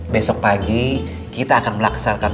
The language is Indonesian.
besok pagi kita akan melaksanakan